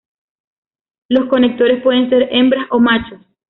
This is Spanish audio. Los conectores pueden ser hembras o macho.